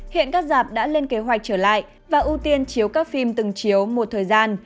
hiện các giảp đã lên kế hoạch trở lại và ưu tiên chiếu các phim từng chiếu một thời gian